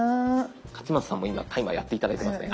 勝俣さんも今タイマーやって頂いてますね。